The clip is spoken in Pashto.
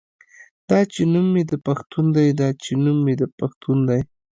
دا چې نوم مې د پښتون دے دا چې نوم مې د پښتون دے